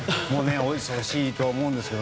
お忙しいとは思うんです。